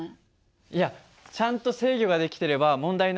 いやちゃんと制御ができてれば問題ないんだよ。